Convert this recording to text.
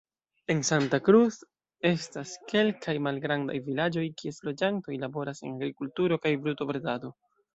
En Santa Cruz estas kelkaj malgrandaj vilaĝoj, kies loĝantoj laboras en agrikulturo kaj brutobredado.